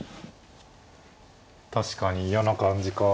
確かに嫌な感じか。